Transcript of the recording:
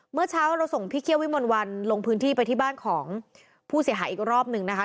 เมื่อเช้าเราส่งพี่เคี่ยววิมลวันลงพื้นที่ไปที่บ้านของผู้เสียหายอีกรอบหนึ่งนะคะ